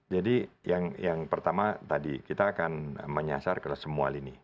jadi yang pertama tadi kita akan menyasar ke semua ini